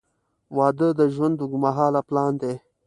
• واده د ژوند اوږدمهاله پلان دی.